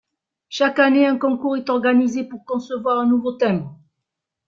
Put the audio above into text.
Chaque année, un concours est organisé pour concevoir un nouveau timbre.